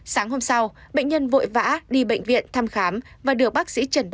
sáng hôm sau bệnh nhân vội vã đi bệnh viện thăm khám và được bác sĩ truyền thông tin